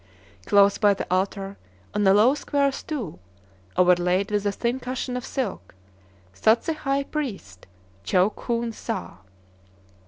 Close by the altar, on a low square stool, overlaid with a thin cushion of silk, sat the high priest, Chow Khoon Sâh.